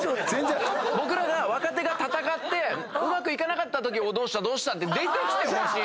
僕らが若手が闘ってうまくいかなかったとき「どうした？」と出てきてほしい。